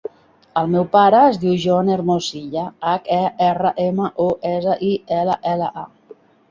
El meu pare es diu John Hermosilla: hac, e, erra, ema, o, essa, i, ela, ela, a.